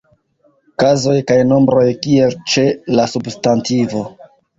Kazoj kaj nombroj kiel ĉe la substantivo.